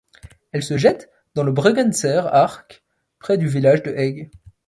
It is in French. Elle se jette dans la Bregenzer Ach près du village de Egg.